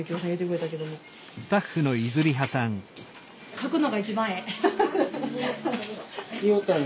書くのが一番ええ。